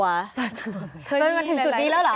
มันเกิดถึงจุดนี้แล้วหรือ